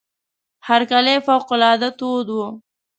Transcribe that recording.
هرکلی فوق العاده تود وو.